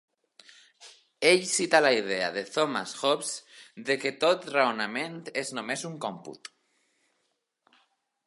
Ell cita la idea de Thomas Hobbes de que tot raonament és només un còmput.